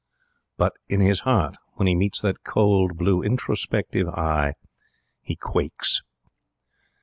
But, in his heart, when he meets that, cold, blue, introspective eye, he quakes.